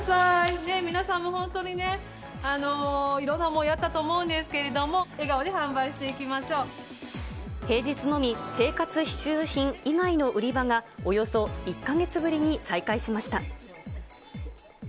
ねえ、皆さん、本当にね、いろんな思いあったと思うんですけれど平日のみ生活必需品以外の売り場が、およそ１か月ぶりに再開しました。